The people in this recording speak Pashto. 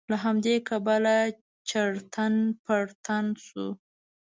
له همدې کبله چړتن پړتن شو.